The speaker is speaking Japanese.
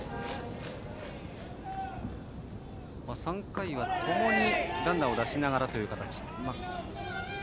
３回は、ともにランナーを出しながらという形。